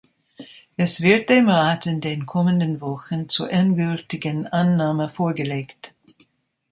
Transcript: Es wird dem Rat in den kommenden Wochen zur endgültigen Annahme vorgelegt.